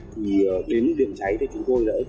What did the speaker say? thì đến điểm cháy thì chúng tôi đã